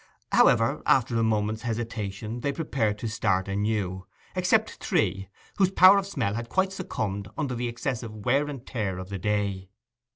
However, after a moment's hesitation, they prepared to start anew, except three, whose power of smell had quite succumbed under the excessive wear and tear of the day.